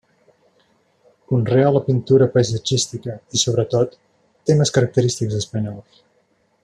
Conreà la pintura paisatgística i, sobretot, temes característics espanyols.